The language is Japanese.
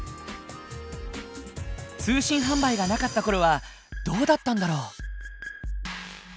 通信販売がなかったころはどうだったんだろう？